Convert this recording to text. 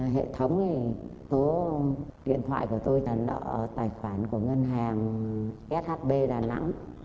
hệ thống thì số điện thoại của tôi là nợ tài khoản của ngân hàng shb đà nẵng